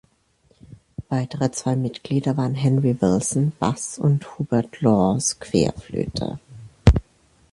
Weitere zwei Mitglieder waren Henry Wilson, Bass und Hubert Laws, Querflöte.